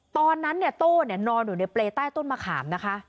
ตอนนั้นเนี่ยโต้นอนอยู่ในเปรย์ใต้ต้นมะขามนะคะ